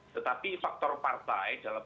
tetapi faktor partai dalam